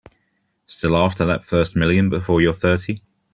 Still after that first million before you're thirty.